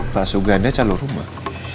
pak suganda calon rumah